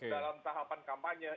dalam tahapan kampanye